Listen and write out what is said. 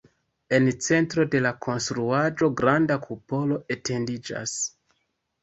En centro de la konstruaĵo granda kupolo etendiĝas.